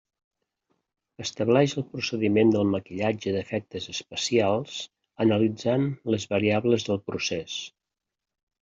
Estableix el procediment del maquillatge d'efectes especials analitzant les variables del procés.